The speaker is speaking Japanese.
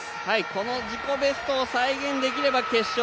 この自己ベストを再現できれば決勝